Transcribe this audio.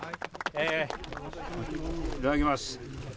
いただきます。